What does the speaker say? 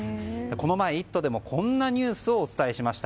この前、「イット！」でもこんなニュースをお伝えしました。